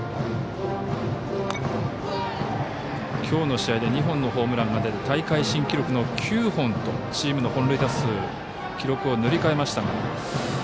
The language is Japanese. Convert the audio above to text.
きょうの試合で２本のホームランが出て大会新記録の９本とチームの本塁打数記録を塗り替えました。